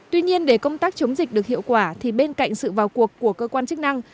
tuy nhiên để công tác chống dịch được hiệu quả thì bên cạnh sự vào cuộc của cơ quan chức năng